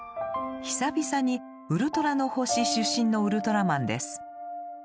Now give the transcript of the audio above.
久々にウルトラの星出身のウルトラマンです。